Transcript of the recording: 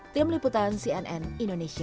tim liputan cnn indonesia